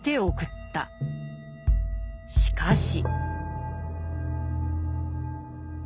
しかし。